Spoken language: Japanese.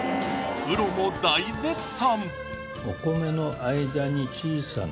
プロも大絶賛！